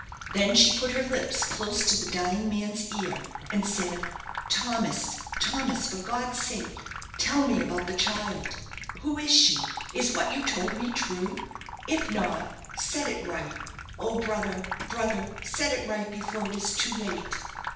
Then she put her lips close to the dying man's ear, and said "Thomas, Thomas, for God's sake tell me about the child who is she? Is what you told me true? If not, set it right oh, brother, brother, set it right before it is too late."